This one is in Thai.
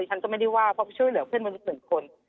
ฉันก็ไม่ได้ว่าเพราะช่วยเหลือเพื่อนมนุษย์หนึ่งคน